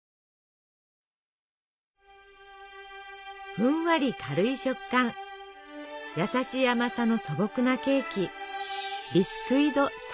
ふんわり軽い食感やさしい甘さの素朴なケーキ。